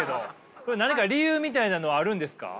これ何か理由みたいなのはあるんですか？